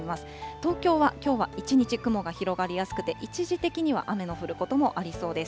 東京はきょうは一日雲が広がりやすくて、一時的には、雨の降ることもありそうです。